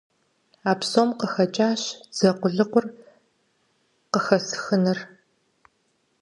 А псом къыхэкӀащ дзэ къулыкъур къыхэсхыныр.